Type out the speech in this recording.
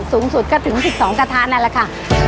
สูงสุดก็ถึง๑๒กระทะนั่นแหละค่ะ